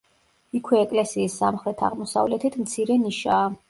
იქვე ეკლესიის სამხრეთ-აღმოსავლეთით მცირე ნიშაა.